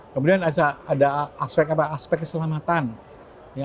kemudian ada aspek keselamatan